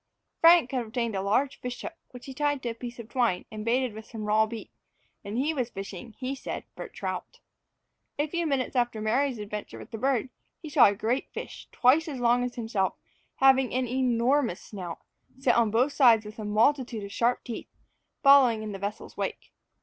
Frank had obtained a large fish hook, which he tied to a piece of twine, and baited with some raw beef; and he was fishing, he said, for trout. A few minutes after Mary's adventure with the bird, he saw a great fish, twice as long as himself, having an enormous snout, set on both sides with a multitude of sharp teeth, following in the vessel's wake.